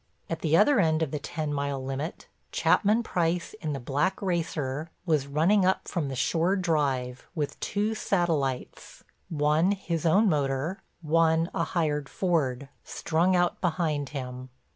At the other end of the ten mile limit Chapman Price in the black racer, was running up from the shore drive, with two satellites, one his own motor, one a hired Ford, strung out behind him.